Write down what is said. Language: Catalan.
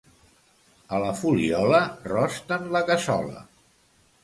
A la Fuliola rosten la cassola.